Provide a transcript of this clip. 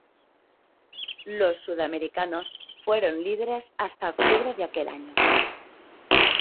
Los sudamericanos fueron líderes hasta octubre de aquel año.